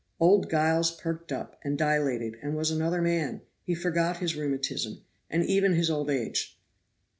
Old Giles perked up, and dilated, and was another man; he forgot his rheumatism, and even his old age.